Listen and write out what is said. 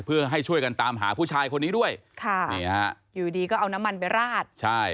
เพื่อให้ช่วยกันตามหาผู้ชายคนนี้ด้วยค่ะนี่ฮะอยู่ดีก็เอาน้ำมันไปราดใช่